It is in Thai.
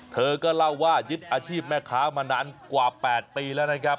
เธอก็เล่าว่ายึดอาชีพแม่ค้ามานานกว่า๘ปีแล้วนะครับ